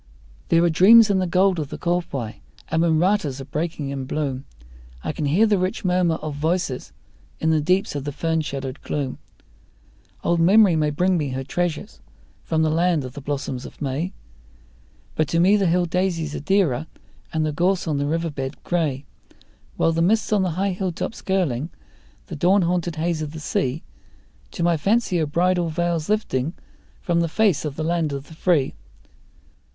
There are dreams in the gold of the kowhai, and when ratas are breaking in bloom I can hear the rich murmur of voices in the deeps of the fern shadowed gloom. Old memory may bring me her treasures from the land of the blossoms of May, But to me the hill daisies are dearer and the gorse on the river bed grey; While the mists on the high hilltops curling, the dawn haunted haze of the sea, To my fancy are bridal veils lifting from the face of the land of the free.